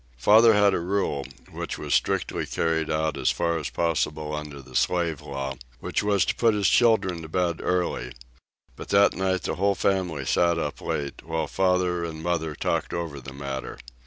Father had a rule, which was strictly carried out as far as possible under the slave law, which was to put his children to bed early; but that night the whole family sat up late, while father and mother talked over the matter.